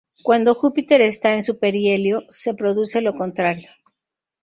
Cuando Júpiter está en su perihelio, se produce lo contrario.